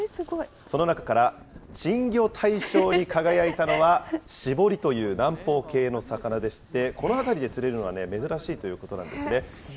その中から珍魚大賞に輝いたのは、シボリという南方系の魚でして、この辺りで釣れるのは珍しいということなんですね。